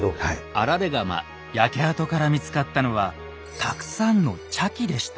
焼け跡から見つかったのはたくさんの茶器でした。